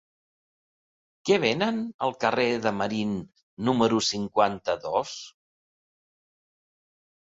Què venen al carrer de Marín número cinquanta-dos?